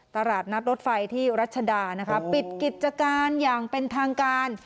ตลาดนัดรถไฟที่รัชดานะคะปิดกิจการอย่างเป็นทางการ